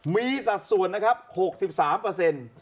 มีสัดส่วนนะครับ๖๓เปอร์เซ็นต์